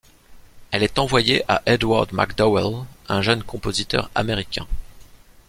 Elle est envoyée à Edward MacDowell, un jeune compositeur américain.